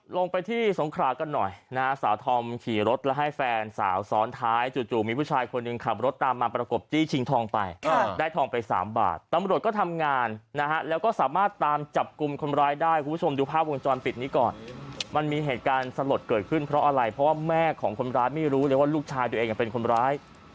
ลงไปที่สงขรากันหน่อยนะฮะสาวธอมขี่รถแล้วให้แฟนสาวซ้อนท้ายจู่มีผู้ชายคนหนึ่งขับรถตามมาประกบจี้ชิงทองไปได้ทองไปสามบาทตำรวจก็ทำงานนะฮะแล้วก็สามารถตามจับกลุ่มคนร้ายได้คุณผู้ชมดูภาพวงจรปิดนี้ก่อนมันมีเหตุการณ์สลดเกิดขึ้นเพราะอะไรเพราะว่าแม่ของคนร้ายไม่รู้เลยว่าลูกชายตัวเองเป็นคนร้าย